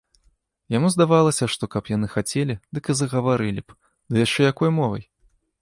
Яму здавалася, што каб яны хацелі, дык і загаварылі б, ды яшчэ якой мовай!